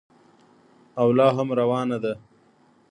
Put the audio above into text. او لا هم روانه ده.